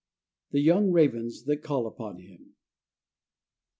"The Young Ravens that Call upon Him."